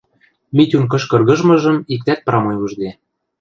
Митюн кыш кыргыжмыжым иктӓт прамой ужде.